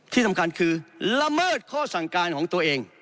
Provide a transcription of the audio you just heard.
ที่สำคัญคือละเมิดข้อสั่งการของตัวเอง